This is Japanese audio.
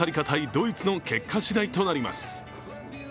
ドイツの結果しだいとなります。